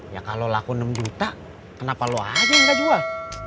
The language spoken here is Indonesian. ya kalau laku enam juta kenapa lu aja yang gak jual